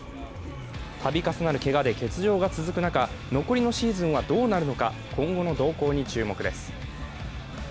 たび重なるけがで欠場が続く中、残りのシーズンはどうなるのか、今後の動向に注目です。